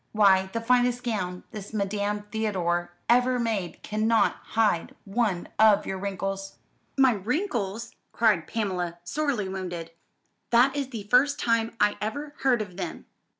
Why, the finest gown this Madame Theodore ever made cannot hide one of your wrinkles." "My wrinkles!" cried Pamela, sorely wounded. "That is the first time I ever heard of them.